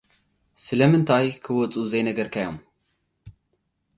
ስለምታይ ክወጹ ዘይነገርካዮም?